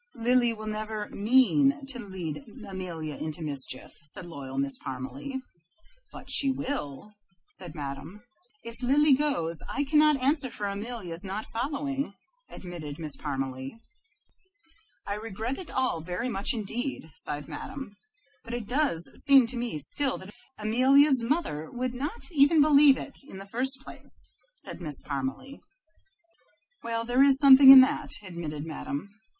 "Lily will never MEAN to lead Amelia into mischief," said loyal Miss Parmalee. "But she will," said Madame. "If Lily goes, I cannot answer for Amelia's not following," admitted Miss Parmalee. "I regret it all very much indeed," sighed Madame, "but it does seem to me still that Amelia's mother " "Amelia's mother would not even believe it, in the first place," said Miss Parmalee. "Well, there is something in that," admitted Madame.